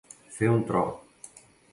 Fer un tro.